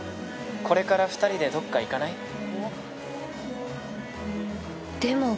これから２人でどっか行かない？